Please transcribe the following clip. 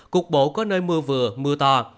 cuộc bộ có nơi mưa vừa mưa to